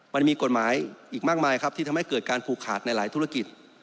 มันมีกฎหมายอีกมากมายครับที่ทำให้เกิดการผูกขาดในหลายธุรกิจ